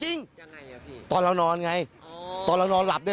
ยังไงครับพี่ตอนเรานอนไงตอนเรานอนหลับด้วย